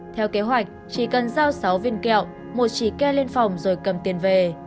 theo kế hoạch chỉ cần giao sáu viên kẹo một chỉ ke lên phòng rồi cầm tiền về